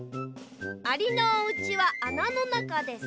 「アリのおうちはあなのなかです」。